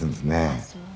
「あっそう。